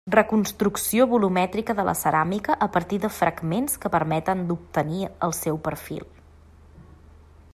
Reconstrucció volumètrica de la ceràmica a partir de fragments que permeten d'obtenir el seu perfil.